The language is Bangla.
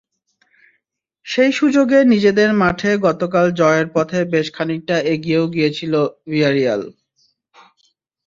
সেই সুযোগে নিজেদের মাঠে গতকাল জয়ের পথে বেশ খানিকটা এগিয়েও গিয়েছিল ভিয়ারিয়াল।